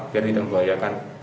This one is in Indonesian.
biar tidak membahayakan